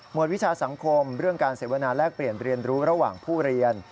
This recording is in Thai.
วิชาสังคมเรื่องการเสวนาแลกเปลี่ยนเรียนรู้ระหว่างผู้เรียน